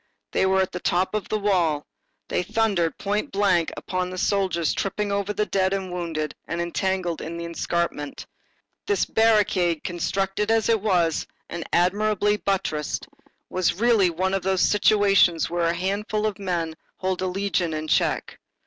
They were at the top of a wall, and they thundered point blank upon the soldiers tripping over the dead and wounded and entangled in the escarpment. This barricade, constructed as it was and admirably buttressed, was really one of those situations where a handful of men hold a legion in check.